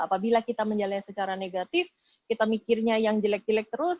apabila kita menjalani secara negatif kita mikirnya yang jelek jelek terus